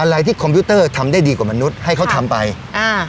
อะไรที่คอมพิวเตอร์ทำได้ดีกว่ามนุษย์ให้เขาทำไปอ่า